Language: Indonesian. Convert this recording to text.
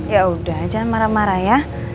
ya udah aja marah marah ya